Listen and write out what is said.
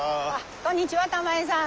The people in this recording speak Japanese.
こんにちは玉井さん。